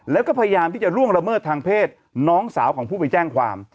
แล้วก็พยายามที่จะล่วงละเมิดทางเพศน้องสาวของผู้ไปแจ้งความ